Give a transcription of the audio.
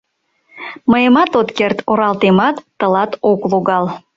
— Мыйымат от керт, оралтемат тылат ок логал.